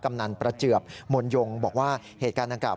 กำนันประเจือบมนยงบอกว่าเหตุการณ์ดังกล่า